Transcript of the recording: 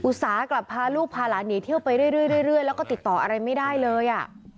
ต้ากลับพาลูกพาหลานหนีเที่ยวไปเรื่อยแล้วก็ติดต่ออะไรไม่ได้เลย